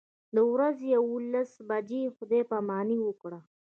د ورځې یوولس بجې خدای پاماني وکړه.